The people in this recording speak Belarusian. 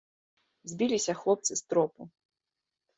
Збіліся хлопцы з тропу.